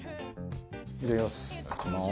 いただきます。